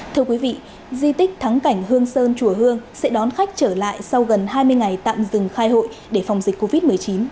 thưa quý vị di tích thắng cảnh hương sơn chùa hương sẽ đón khách trở lại sau gần hai mươi ngày tạm dừng khai hội để phòng dịch covid một mươi chín